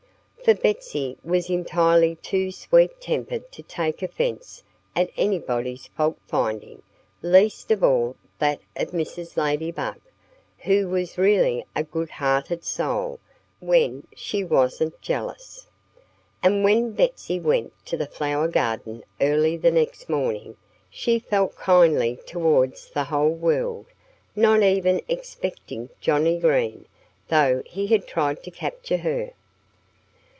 For Betsy was entirely too sweet tempered to take offense at anybody's fault finding least of all that of Mrs. Ladybug, who was really a good hearted soul, when she wasn't jealous. And when Betsy went to the flower garden early the next morning she felt kindly towards the whole world, not even excepting Johnnie Green, though he had tried to capture her.